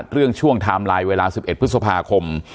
เรื่องช่วงทามไลน์เวลา๑๑พฤศพคม